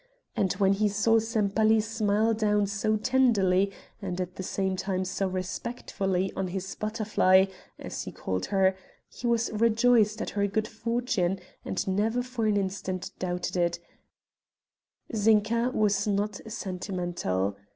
And when he saw Sempaly smile down so tenderly and at the same time so respectfully on his 'butterfly,' as he called her, he was rejoiced at her good fortune and never for an instant doubted it Zinka was not sentimental.